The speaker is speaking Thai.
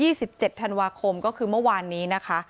สิบเจ็ดธันวาคมก็คือเมื่อวานนี้นะคะ